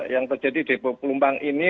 yang terjadi depo pelumpang ini